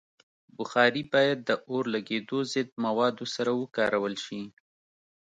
بخاري باید د اورلګیدو ضد موادو سره وکارول شي.